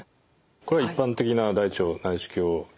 これは一般的な大腸内視鏡検査ですね。